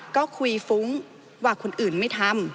ก็คุยฟุ้งว่าคนอื่นไม่ทำ